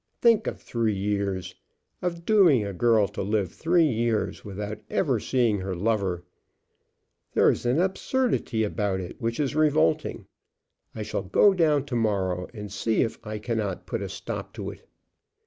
Think of three years, of dooming a girl to live three years without ever seeing her lover! There is an absurdity about it which is revolting. I shall go down to morrow and see if I cannot put a stop to it."